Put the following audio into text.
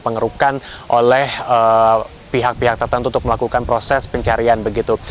pengerukan oleh pihak pihak tertentu untuk melakukan proses pencarian begitu